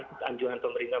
ikut anjuran pemerintah